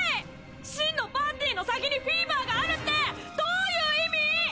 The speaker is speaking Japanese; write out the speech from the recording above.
真のパーティの先にフィーバーがあるってどういう意味！？